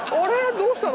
どうしたの？